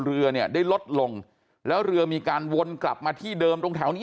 เรือเนี่ยได้ลดลงแล้วเรือมีการวนกลับมาที่เดิมตรงแถวนี้